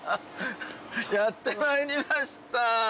やってまいりました。